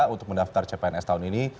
untuk mendaftar cpns tahun ini